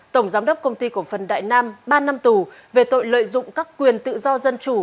tổng giám đốc công ty cổ phần đại nam ba năm tù về tội lợi dụng các quyền tự do dân chủ